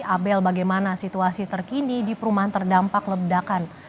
abel bagaimana situasi terkini di perumahan terdampak ledakan